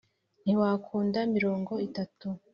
Ntiwakunda mirongo itatu.